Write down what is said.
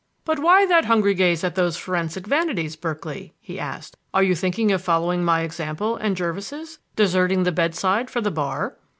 "But why that hungry gaze at those forensic vanities, Berkeley?" he asked. "Are you thinking of following my example and Jervis's deserting the bedside for the Bar?"